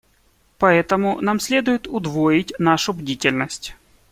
Поэтому нам следует удвоить нашу бдительность.